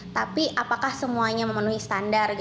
tapi apakah semuanya memenuhi standar